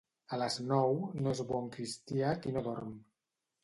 A les nou, no és bon cristià qui no dorm.